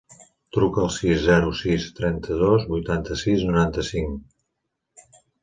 Truca al sis, zero, sis, trenta-dos, vuitanta-sis, noranta-cinc.